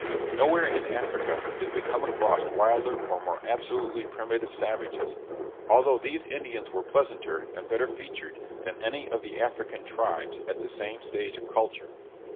Nowhere in Africa did we come across wilder or more absolutely primitive savages, although these Indians were pleasanter and better featured than any of the African tribes at the same stage of culture.